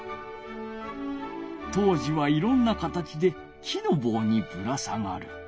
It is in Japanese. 当時はいろんな形で木の棒にぶら下がる。